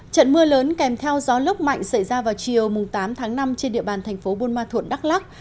trận mưa lớn kèm theo gió lốc mạnh xảy ra vào chiều tám tháng năm trên địa bàn thành phố buôn ma thuột đắk lắc